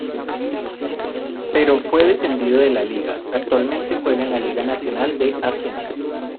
Pero fue descendido de la liga, actualmente juega en la Liga Nacional de Ascenso